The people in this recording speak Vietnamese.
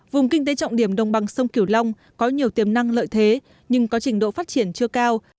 vùng kinh tế trọng điểm đồng bằng sông kiểu long có nhiều tiềm năng lợi thế nhưng có trình độ phát triển chưa cao